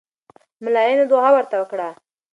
ملاینو دعا ورته وکړه.